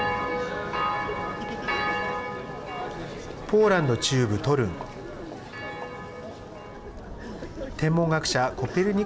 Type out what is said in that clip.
ポーランド中部トルン。